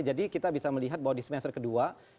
jadi kita bisa melihat bahwa di semester kedua